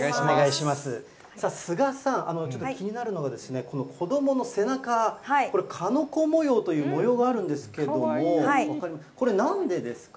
さあ、須賀さん、ちょっと気になるのが、この子どもの背中、これ、鹿の子模様という模様があるんですけれども、これ、なんでですか。